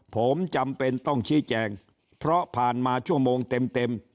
ผมจำเป็นต้องชี้แจงเพราะผ่านมาชั่วโมงเต็ม